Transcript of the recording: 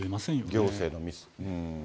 行政のミス。